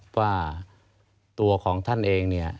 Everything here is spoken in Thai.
ว่าตัวของท่านเองเนี่ย